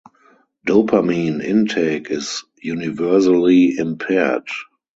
Dopamine intake is universally impaired.